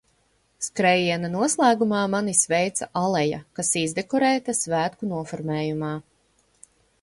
Skrējiena noslēgumā mani sveica aleja, kas izdekorēta svētku noformējumā.